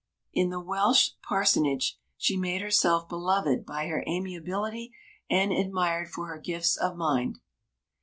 In the Welsh parsonage she made herself beloved by her amiability and admired for her gifts of mind.